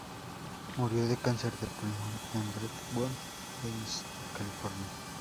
Murió de cáncer de pulmón en Brentwood Heights, California.